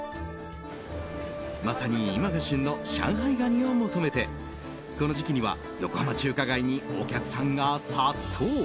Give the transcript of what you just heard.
まさに今が旬の上海ガニを求めてこの時期には横浜中華街にお客さんが殺到。